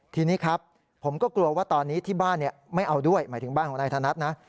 ทีนี้ครับผมก็กลัวว่าตอนนี้ที่บ้านไม่เอาด้วยหมายถึงบ้านของนายธนัดนะ